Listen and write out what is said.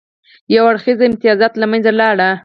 یو اړخیز امتیازات له منځه لاړل.